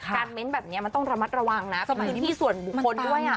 การเมนต์แบบนี้มันต้องระมัดระวังนะสมัยที่มีส่วนบุคคลด้วยอ่ะ